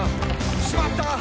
「しまった！